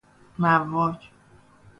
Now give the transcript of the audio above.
مواج